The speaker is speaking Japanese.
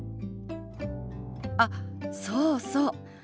あっそうそう。